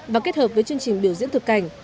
và kết hợp với chương trình biểu diễn thực cảnh